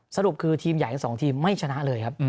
สรุปคือทีมใหญ่อีก๒ทีมไม่ชนะเลยครับ